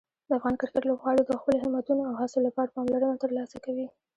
د افغان کرکټ لوبغاړي د خپلو همتونو او هڅو لپاره پاملرنه ترلاسه کوي.